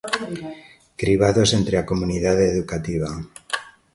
Cribados entre a comunidade educativa.